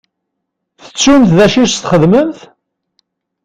Tettumt d acu i s-txedmemt?